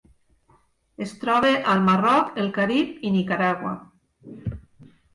Es troba al Marroc, el Carib i Nicaragua.